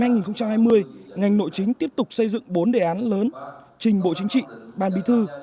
năm hai nghìn hai mươi ngành nội chính tiếp tục xây dựng bốn đề án lớn trình bộ chính trị ban bí thư